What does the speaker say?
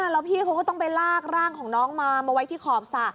แล้วพี่เขาก็ต้องไปลากร่างของน้องมามาไว้ที่ขอบสระ